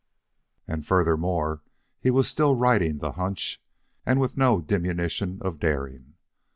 And, furthermore, he was still riding the hunch, and with no diminution of daring.